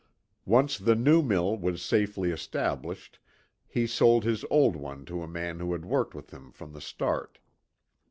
Once the new mill was safely established he sold his old one to a man who had worked with him from the start.